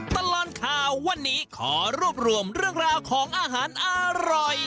ตลอดข่าววันนี้ขอรวบรวมเรื่องราวของอาหารอร่อย